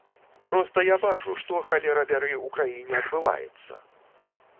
Проста я бачу, што, халера бяры, у краіне адбываецца!